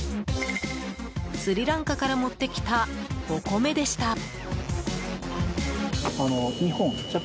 スリランカから持ってきたお米でした。